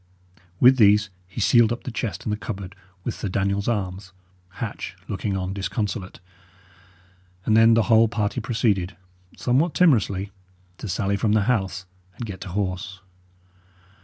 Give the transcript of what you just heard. With these he sealed up the chest and the cupboard with Sir Daniel's arms, Hatch looking on disconsolate; and then the whole party proceeded, somewhat timorously, to sally from the house and get to horse.